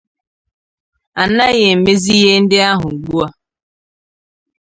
a naghị emezị ihe ndị ahụ ugbua